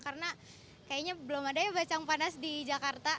karena kayaknya belum adanya bacang panas di jakarta